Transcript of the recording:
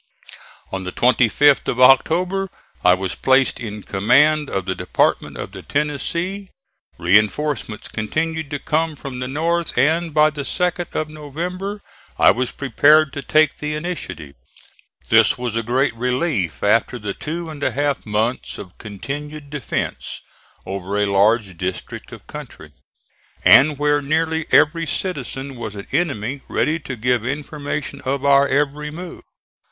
On the 25th of October I was placed in command of the Department of the Tennessee. Reinforcements continued to come from the north and by the 2d of November I was prepared to take the initiative. This was a great relief after the two and a half months of continued defence over a large district of country, and where nearly every citizen was an enemy ready to give information of our every move.